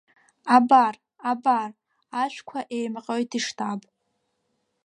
Абар, абар, ашәқәа еимҟьоит иштаб.